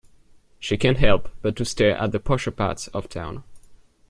She can't help but to stare at the posher parts of town.